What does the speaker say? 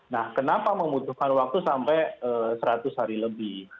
nah kenapa membutuhkan waktu sampai seratus hari lebih